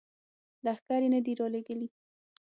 لښکر یې نه دي را لیږلي.